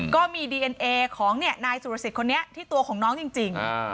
ก็มีดีเอ็นเอของนายสุรสิทธิ์คนนี้ที่ตัวของน้องจริง